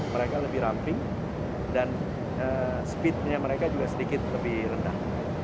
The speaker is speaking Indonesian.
mereka lebih ramping dan speednya mereka juga sedikit lebih rendah